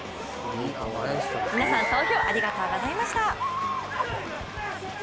皆さん投票ありがとうございました。